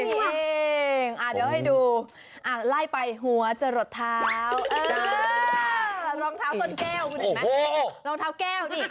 เดี๋ยวให้ดูอ่าไล่ไปหัวจะหลดเท้าเออรองเท้าส้นแก้วรองเท้าแก้วนี่